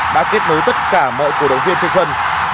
đã kết nối tất cả mọi cổ động viên trên sân